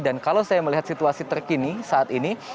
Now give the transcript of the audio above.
dan kalau saya melihat situasi terkini saat ini